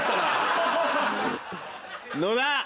野田。